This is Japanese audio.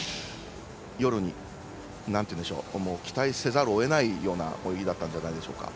夜に期待せざるをえない泳ぎだったんじゃないでしょうか。